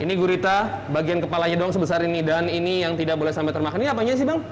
ini gurita bagian kepalanya doang sebesar ini dan ini yang tidak boleh sampai termakan ini apanya sih bang